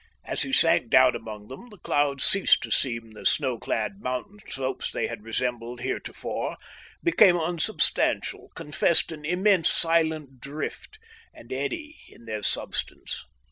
As he sank down among them the clouds ceased to seem the snowclad mountain slopes they had resembled heretofore, became unsubstantial, confessed an immense silent drift and eddy in their substance.